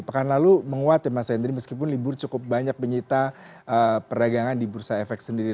pekan lalu menguat ya mas hendry meskipun libur cukup banyak menyita perdagangan di bursa efek sendiri